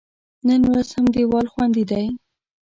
نن ورځ هم دیوال خوندي دی.